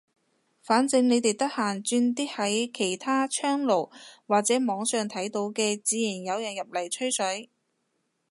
反正你哋得閒轉啲喺其他窗爐或者網上睇到嘅，自然有人入嚟吹水。